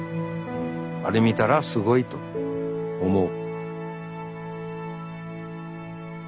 あれ見たらすごいと思う。